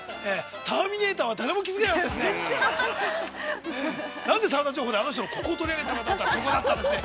「ターミネーター」は、誰も気づけなかったですね。